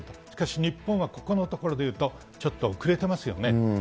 しかし、日本はここのところで言うと、ちょっと遅れてますよね。